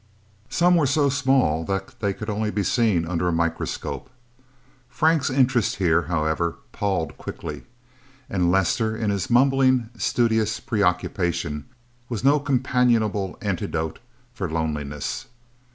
Some were so small that they could only be seen under a microscope. Frank's interest, here, however, palled quickly. And Lester, in his mumbling, studious preoccupation, was no companionable antidote for loneliness.